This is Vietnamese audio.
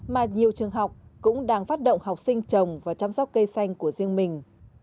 mà nhiều trường học cũng đang phát động học sinh trồng và chăm sóc cây xanh của riêng mình